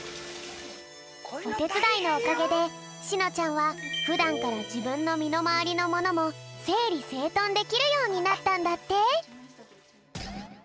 おてつだいのおかげでしのちゃんはふだんからじぶんのみのまわりのものもせいりせいとんできるようになったんだって。